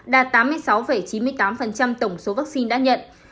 đạt tám mươi sáu chín mươi tám tổng số vaccine đã nhận